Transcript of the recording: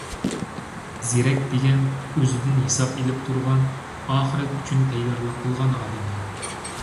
زېرەك دېگەن – ئۆزىدىن ھېساب ئېلىپ تۇرغان، ئاخىرەت ئۈچۈن تەييارلىق قىلغان ئادەمدۇر.